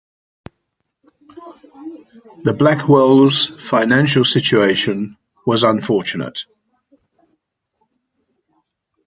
The Blackwells' financial situation was unfortunate.